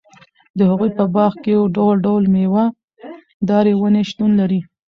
د هغوي په باغ کي ډول٬ډول ميوه داري وني شتون لري